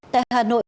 tại hà nội